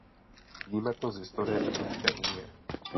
Víme to z historie Evropské unie.